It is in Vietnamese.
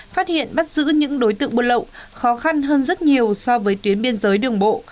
phát hiện bắt giữ những đối tượng buôn lậu khó khăn hơn rất nhiều so với tuyến biên giới đường bộ